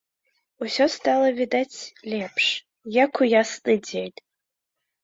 Усё стала відаць лепш, як у ясны дзень.